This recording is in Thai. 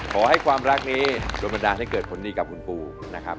ขอให้ความรักนี้โดนบันดาลให้เกิดผลดีกับคุณปูนะครับ